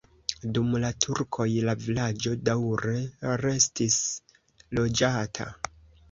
Dum la turkoj la vilaĝo daŭre restis loĝata.